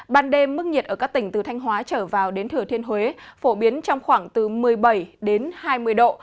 ban đêm mức nhiệt ở các tỉnh từ thanh hóa trở vào đến thừa thiên huế phổ biến trong khoảng từ một mươi bảy đến hai mươi độ